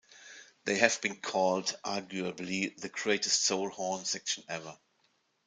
They have been called arguably the greatest soul horn section ever.